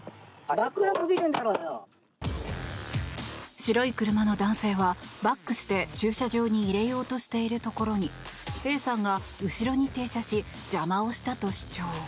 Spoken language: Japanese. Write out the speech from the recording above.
白い車の男性はバックして駐車場に入れようとしているところにＡさんが後ろに停車し邪魔をしたと主張。